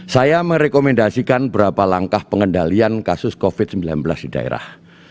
saya merekomendasikan berapa langkah pengendalian kasus covid sembilan belas di daerah